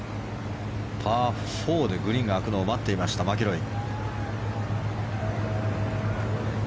パー４でグリーンが空くのを待っていましたマキロイ。